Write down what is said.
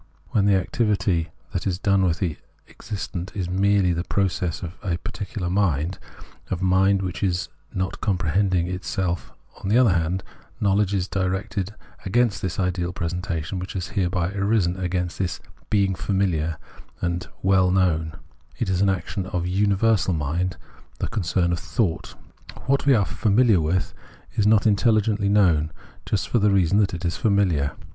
While the activity that is done with the existent is itself merely the process of the particular mind, of mind which is not compre hending itself, on the other hand, hnowledge is directed against this ideal presentation which has hereby arisen, against this " being familiar " and " well known "; it is an action of universal mind, the concern of tliouglit. What we are " famihar with " is not intelhgently known, just for the reason that it is " familiar."